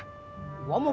gue mau buat emak